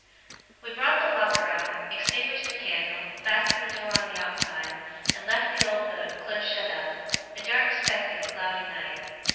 We brought the locker out, extinguished the candle, fastened the door on the outside, and left the old boat close shut up, a dark speck in the cloudy night.